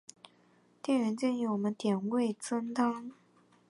店员建议我们点味噌汤